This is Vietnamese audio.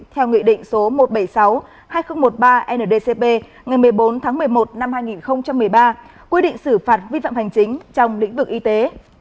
theo nghị định số một trăm bảy mươi sáu hai nghìn một mươi ba ndcp ngày một mươi bốn tháng một mươi một năm hai nghìn một mươi ba quy định xử phạt vi phạm hành chính trong lĩnh vực y tế